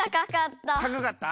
たかかった。